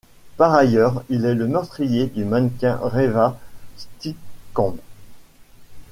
Par ailleurs, il est le meurtrier du mannequin Reeva Steenkamp.